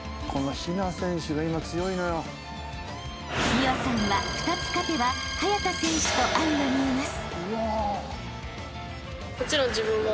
［美和さんは２つ勝てば早田選手と相まみえます］